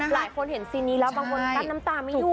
หลายคนเห็นซีนนี้แล้วบางคนกั้นน้ำตาไม่อยู่